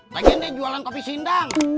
lagi dia jualan kopi sindang